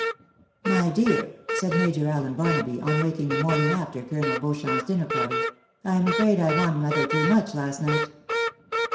My dear," said Major AUen Barnaby, on waking, the morning after Colonel Beauchamp's dinner party, " I am afraid I won rather too much last night."